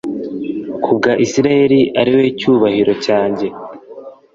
ku bwa Isirayeli ari we cyubahiro cyanjye